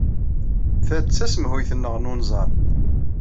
Ta d tasemhuyt-nneɣ n unẓar.